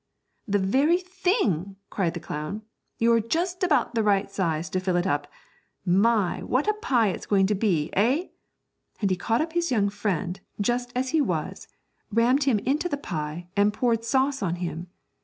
'The very thing,' cried the clown, 'you're just about the right size to fill up my! what a pie it's going to be, eh?' And he caught up his young friend, just as he was, rammed him into the pie, and poured sauce on him.